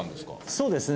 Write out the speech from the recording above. そうですね。